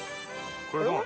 これどう？